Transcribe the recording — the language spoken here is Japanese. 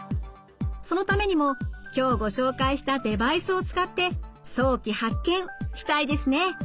そのためにも今日ご紹介したデバイスを使って早期発見したいですね。